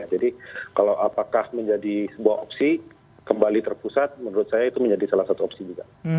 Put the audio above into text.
jadi kalau apakah menjadi sebuah opsi kembali terpusat menurut saya itu menjadi salah satu opsi juga